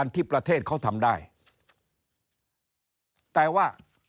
แต่ว่า